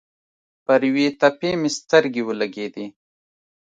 پر یوې تپې مې سترګې ولګېدې.